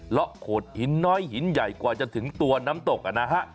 โขดหินน้อยหินใหญ่กว่าจะถึงตัวน้ำตกนะฮะ